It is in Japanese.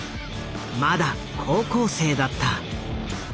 まだ高校生だった。